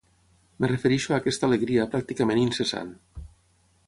Em refereixo a aquesta alegria pràcticament incessant.